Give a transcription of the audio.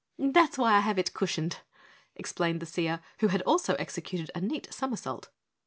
"That's why I have it cushioned," explained the seer, who also had executed a neat somersault.